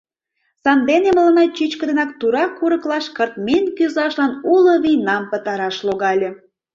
Сандене мыланна чӱчкыдынак тура курыклаш кыртмен кӱзашлан уло вийнам пытараш логале.